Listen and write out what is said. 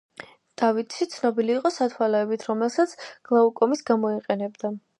დავიდსი ცნობილი იყო სათვალეებით, რომელსაც გლაუკომის გამო იყენებდა.